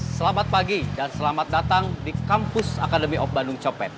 selamat pagi dan selamat datang di kampus akademi of bandung copet